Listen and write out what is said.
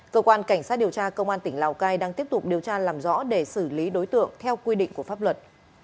cơ quan cảnh sát điều tra công an tỉnh lào cai đang tiếp tục điều tra làm rõ để xử lý đối tượng theo quy định của pháp luật